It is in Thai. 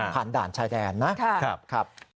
ผ่านด่านชายแดนนะ